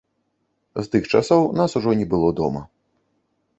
З тых часоў у нас ужо не было дома.